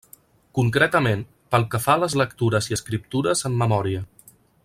Concretament, pel que fa a les lectures i escriptures en memòria.